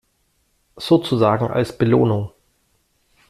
Sozusagen als Belohnung.